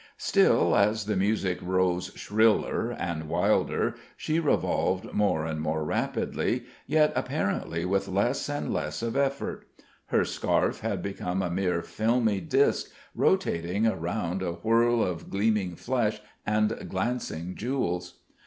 Still, as the music rose shriller and wilder, she revolved more and more rapidly, yet apparently with less and less of effort. Her scarf had become a mere filmy disc rotating around a whorl of gleaming flesh and glancing jewels.